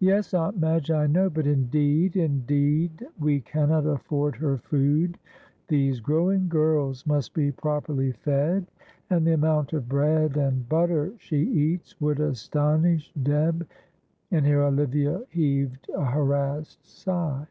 "Yes, Aunt Madge, I know; but indeed, indeed we cannot afford her food these growing girls must be properly fed, and the amount of bread and butter she eats would astonish Deb " and here Olivia heaved a harassed sigh.